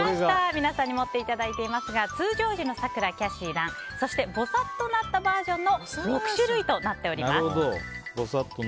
皆さんに持っていただいていますが通常時のさくら、キャシー、蘭そして、ぼさっとなったバージョンの６種類となります。